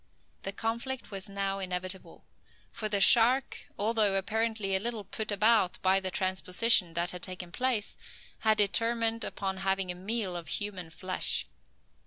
The conflict was now inevitable: for the shark, although apparently a little put about by the transposition that had taken place, had determined upon having a meal of human flesh.